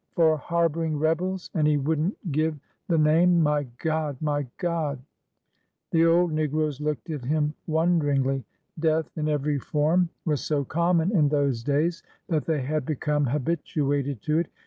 " For harboring rebels ! And he would n't give the name ! My God ! My God !" The old negroes looked at him wonderingly. Death in every form was so common in those days that they had become habituated to it.